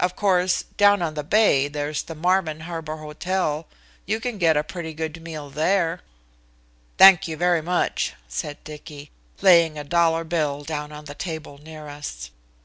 Of course, down on the bay there's the Marvin Harbor Hotel. You can get a pretty good meal there." "Thank you very much," said Dicky, laying a dollar bill down on the table near us.